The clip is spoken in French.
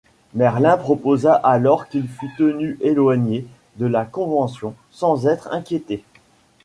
Merlin proposa alors qu'il fût tenu éloigné de la Convention, sans être inquiété.